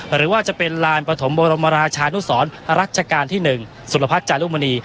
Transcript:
หรือว่าจะเป็นลานปฐมบรมราชานุสรรัชกาลที่๑สุรพัฒน์จารุมณี